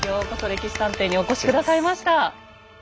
「歴史探偵」にお越し下さいました！